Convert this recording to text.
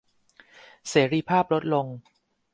เสรีภาพลดลง